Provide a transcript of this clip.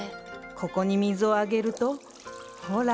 ここに水をあげるとほら。